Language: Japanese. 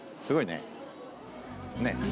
すごいね。